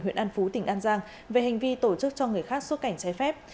huyện an phú tỉnh an giang về hành vi tổ chức cho người khác xuất cảnh trái phép